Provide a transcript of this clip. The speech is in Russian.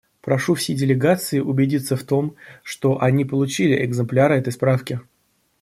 Прошу все делегации убедиться в том, что они получили экземпляр этой справки.